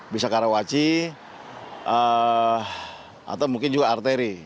bisa karawaci atau mungkin juga arteri